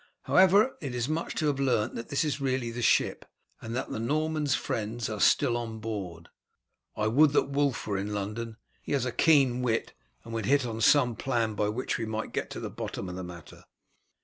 However, it is much to have learnt that this is really the ship, and that the Norman's friends are still on board. I would that Wulf were in London. He has a keen wit, and would hit on some plan by which we might get to the bottom of the matter.